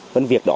vẫn việc đó